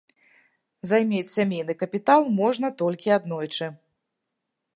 Займець сямейны капітал можна толькі аднойчы.